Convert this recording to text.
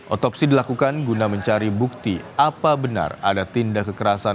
otopsi dilakukan guna mencari bukti apa benar ada tindak kekerasan